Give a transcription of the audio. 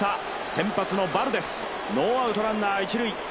先発のバルデス、ノーアウトランナー一塁。